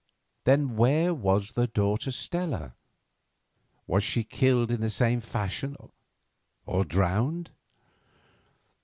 Then where was the daughter Stella? Was she killed in the same fashion or drowned?